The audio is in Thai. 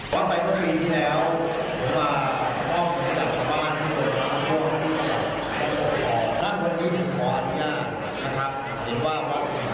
วันปลายก็ดีนี้แล้วเป็นพอว่ากล้อมจากพื้นบ้านที่หลวงมากขึ้น